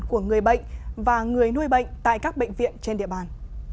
của người bệnh và người nuôi bệnh tại các bệnh viện trên địa bàn